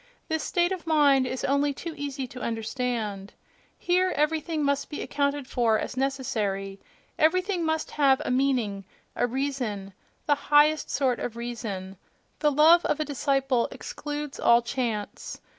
—this state of mind is only too easy to understand. Here everything must be accounted for as necessary; everything must have a meaning, a reason, the highest sort of reason; the love of a disciple excludes all chance.